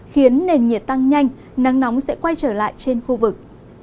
khiến nền nhiệt tăng nhanh nắng nóng sẽ quay trở lại trên khu vực